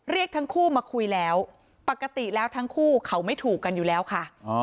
เรียกทั้งคู่มาคุยแล้วปกติแล้วทั้งคู่เขาไม่ถูกกันอยู่แล้วค่ะ